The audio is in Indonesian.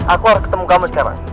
aku harus ketemu kamu sekarang